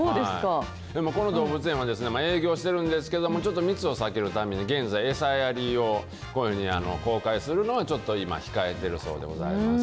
でもこの動物園は営業してるんですけども、ちょっと密を避けるために、現在、餌やりをこういうふうに公開するのは、ちょっと今、控えているそうでございます。